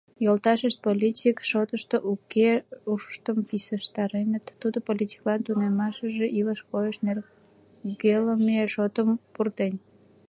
Йолташышт политик шотышто шке ушыштым писештареныт, тудо политикылан тунеммашкыже илыш-койыш нергелыме шотым пуртен.